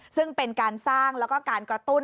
ซึ่งเป็นการสร้างแล้วก็การกระตุ้น